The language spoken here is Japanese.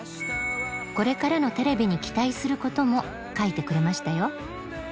これからのテレビに期待することも書いてくれましたよ。